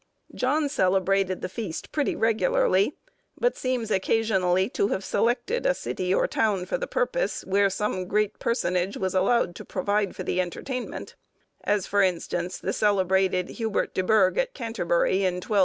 John celebrated the feast pretty regularly, but seems occasionally to have selected a city or town for the purpose, where some great personage was allowed to provide for the entertainment; as, for instance, the celebrated Hubert de Burgh, at Canterbury, in 1203.